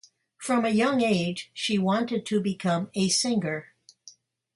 From a young age she wanted to become a singer.